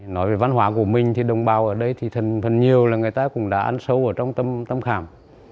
nói về văn hóa của mình thì đồng bào ở đây thì thần phần nhiều là người ta cũng đã ăn sâu ở trong tâm tâm khảm